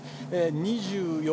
「２４」。